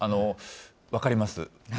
分かります。